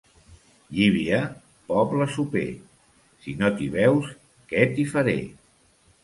Llívia, poble soper: si no t'hi veus, què t'hi faré.